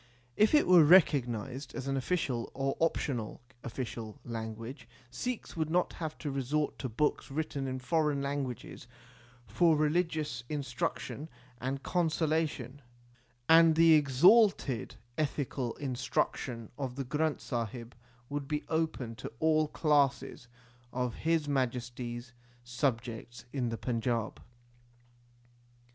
If it were recognized as an official or optional official anguage, Sikhs would not have to resort to books written in foreign languages for religious instruction and consolation, and the exalted ethical instruction of the Granth Sahib would be open to all classes of His Majesty s subjects in the Panjab.